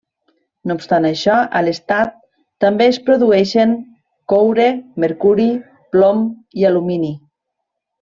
No obstant això, a l'estat també es produeixen coure, mercuri, plom i alumini.